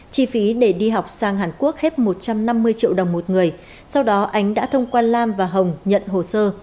chi phí để đi học sang hàn quốc hết một trăm năm mươi triệu đồng một người sau đó ánh đã thông qua lam và hồng nhận hồ sơ